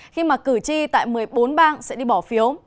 khi mà cử tri tại một mươi bốn bang sẽ đi bỏ phiếu